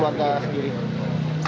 sekali lagi lagi proses identifikasi